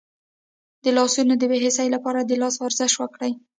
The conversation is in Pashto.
د لاسونو د بې حسی لپاره د لاس ورزش وکړئ